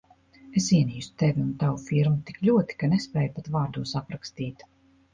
Es ienīstu Tevi un tavu firmu tik ļoti, ka nespēju pat vārdos aprakstīt.